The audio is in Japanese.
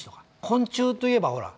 昆虫といえばほら。